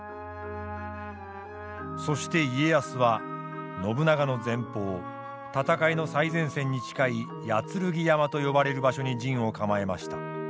そして家康は信長の前方戦いの最前線に近い八剱山と呼ばれる場所に陣を構えました。